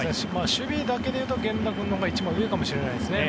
守備だけでいうと源田君のほうが１枚上かもしれないですね。